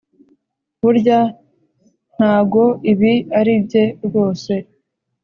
burya ntago ibi aribye rwose